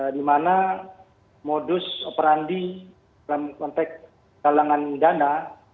di mana modus operandi konteks talangan dana